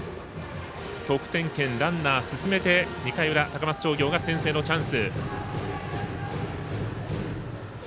得点圏、ランナー進めて２回裏、高松商業が先制のチャンス。